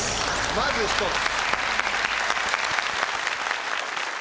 まず１つ。